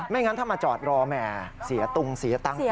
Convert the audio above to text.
งั้นถ้ามาจอดรอแหมเสียตุงเสียตังค์